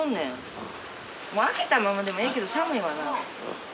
開けたままでもええけど寒いわな。